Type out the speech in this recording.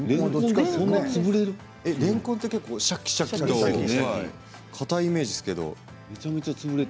れんこんって結構シャキシャキとかたいイメージですけど。